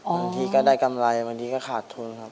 บางทีก็ได้กำไรบางทีก็ขาดทุนครับ